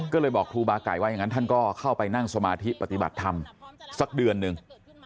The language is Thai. ก็เลยบอกครูบาไก่ว่าอย่างนั้นท่านก็เข้าไปนั่งสมาธิปฏิบัติธรรมสักเดือนหนึ่ง